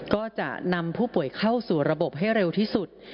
ก็จะนำผู้ป่วยเข้าสู่ระบบให้เร็วที่สุด